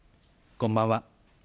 こんばんは。